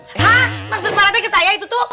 hah maksud bangetnya ke saya itu tuh